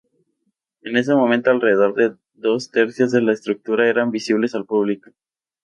En ese momento, alrededor de dos tercios de la estructura eran accesibles al público.